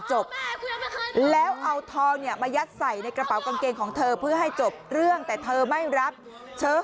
จบแล้วเอาทองเนี่ยมายัดใส่ในกระเป๋ากางเกงของเธอเพื่อให้จบเรื่องแต่เธอไม่รับเธอ